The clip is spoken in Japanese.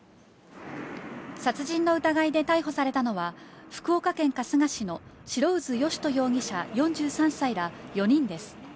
殺人の疑いで逮捕されたのは福岡県春日市の白水義人容疑者、４３歳ら４人です。